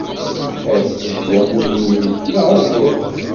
Ass-d d amulli-nnek, naɣ a Juri?